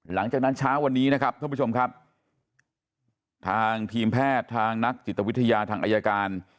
เช้าวันนี้นะครับท่านผู้ชมครับทางทีมแพทย์ทางนักจิตวิทยาทางอายการ